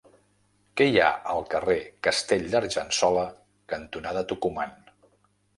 Què hi ha al carrer Castell d'Argençola cantonada Tucumán?